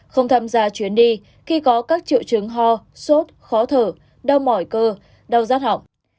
không tham gia chuyến đi khi có các triệu chứng ho sốt khó thở đau mỏi cơ đau rát hỏng